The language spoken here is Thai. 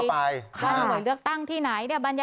ขวัญหรือเลือกตั้งที่ไหน